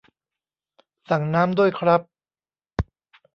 สั่งน้ำด้วยครับ